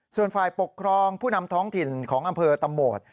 ส่วนฝ่ายปกครองผู้นำท้องถิ่นของอำเภอตะโหมด